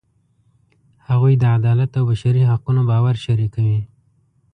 هغوی د عدالت او بشري حقونو باور شریکوي.